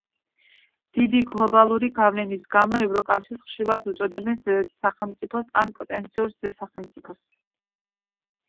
დიდი გლობალური გავლენის გამო, ევროკავშირს ხშირად უწოდებენ ზესახელმწიფოს ან პოტენციურ ზესახელმწიფოს.